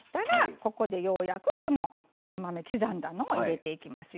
ここでようやくこの黒豆刻んだのを入れていきますよ。